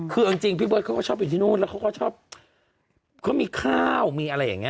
คือเอาจริงพี่เบิร์ตเขาก็ชอบอยู่ที่นู่นแล้วเขาก็ชอบเขามีข้าวมีอะไรอย่างนี้